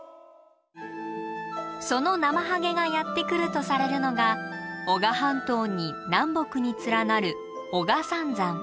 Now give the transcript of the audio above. そのナマハゲがやって来るとされるのが男鹿半島に南北に連なる男鹿三山。